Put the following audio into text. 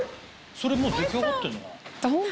それもう出来上がってんのかな？